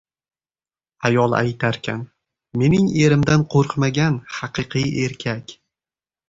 • Ayol aytarkan: “Mening erimdan qo‘rqmagan — haqiqiy erkak”.